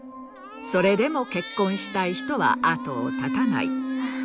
それでも結婚したい人は後をたたない。